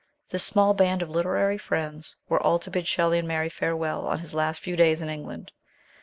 This small band of literary friends were all to bid Shelley and Mary farewell on his last few days in England.